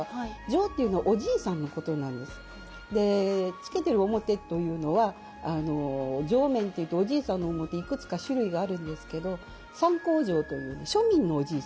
つけてる面というのは尉面というとおじいさんの面いくつか種類があるんですけど三光尉という庶民のおじいさんなんです。